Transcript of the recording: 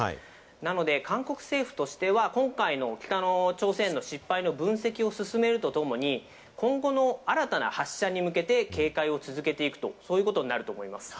なので韓国政府としては今回の北の失敗の分析を進めるとともに、今後の新たな発射に向けて警戒を続けていくということになると思います。